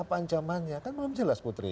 ancamannya kan belum jelas putri